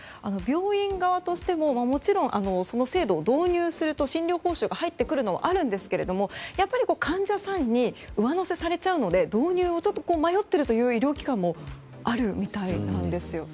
病院側としてももちろん、その制度を導入すると診療報酬が入ってくるというのはあるんですけどやっぱり患者さんに上乗せされちゃうので導入を迷っているという医療機関もあるみたいなんです。